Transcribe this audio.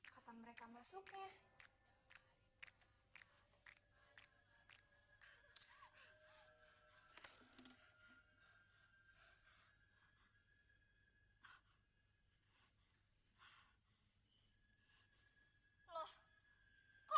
karena mereka menyangka